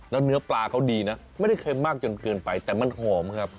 แล้วเนื้อปลาเขาดีนะไม่ได้เค็มมากจนเกินไปแต่มันหอมครับ